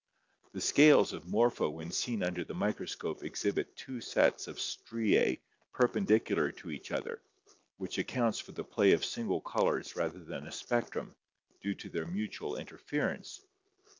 The scales of Morpho when seen under the microscope exhibit two sets of striae perpendicular to each other, which accounts for the play of single colors rather than a spectrum, due to their mutual inters ference.